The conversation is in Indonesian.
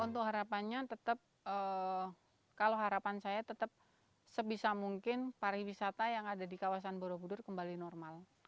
untuk harapannya tetap kalau harapan saya tetap sebisa mungkin pariwisata yang ada di kawasan borobudur kembali normal